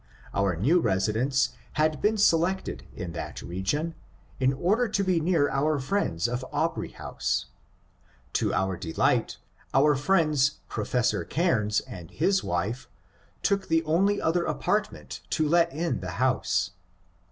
Our new residence had been selected in that region in order to be near our friends of Aubrey House. To our delight our friends Professor Caimes and his wife took the only other apartment to let in the house.